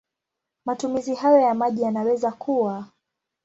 Matumizi hayo ya maji yanaweza kuwa